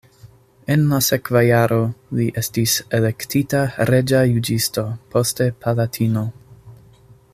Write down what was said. En la sekva jaro li estis elektita reĝa juĝisto, poste palatino.